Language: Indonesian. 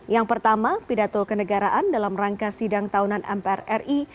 yang pertama pidato kenegaraan dalam rangka sidang tahunan mpr ri